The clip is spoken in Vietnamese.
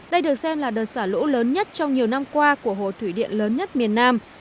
đây được xem là đợt xả lũ lớn nhất trong nhiều năm qua của hồ thủy điện lớn nhất miền nam